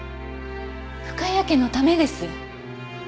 深谷家のためです。